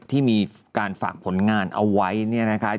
ที่มีการฝากผลงานเอาไว้เนี่ยนะคะ